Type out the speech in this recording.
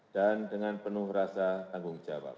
dan dengan penuh rasa tanggung jawab